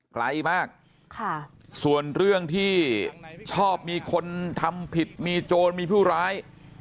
ไกลมากส่วนเรื่องที่ชอบมีคนทำผิดมีโจรมีผู้ร้าย